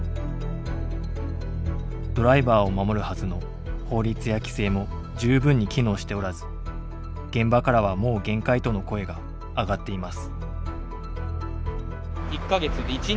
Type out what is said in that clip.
ドライバーを守るはずの法律や規制も十分に機能しておらず現場からは「もう限界」との声が上がっています。